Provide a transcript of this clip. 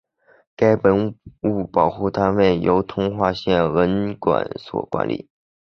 该文物保护单位由通化县文管所管理。